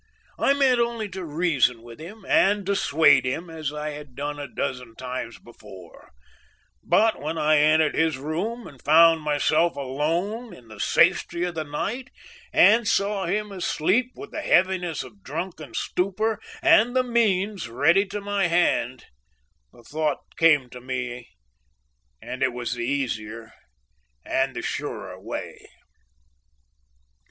I meant only to reason with him and dissuade him as I had done a dozen times before, but when I entered his room and found myself alone in the safety of the night and saw him asleep with the heaviness of drunken stupor and the means ready to my hand, the thought came to me and it was the easier and the surer way.